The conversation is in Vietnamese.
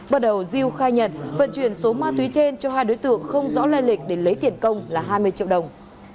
bắt đầu diêu khai nhận vận chuyển số ma túy trên cho hai đối tượng không rõ lai lịch để lấy tiền công là hai mươi triệu đồng